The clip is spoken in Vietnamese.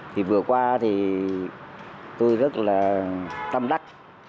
thì vừa qua thì tôi rất là tâm đắc